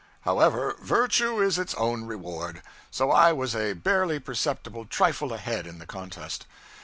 However, virtue is its own reward, so I was a barely perceptible trifle ahead in the contest.